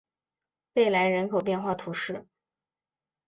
贝莱人口变化图示